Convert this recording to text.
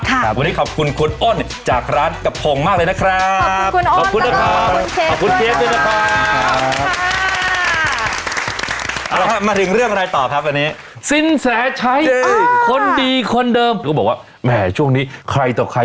วันนี้ขอบคุณคุณโอ้นจากร้านกระโพงมากเลยนะครับ